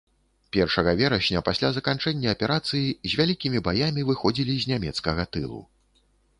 Першага верасня, пасля заканчэння аперацыі, з вялікімі баямі выходзілі з нямецкага тылу.